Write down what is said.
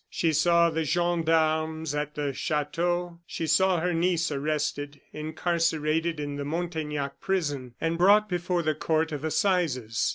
She saw the gendarmes at the chateau; she saw her niece arrested, incarcerated in the Montaignac prison, and brought before the Court of Assizes.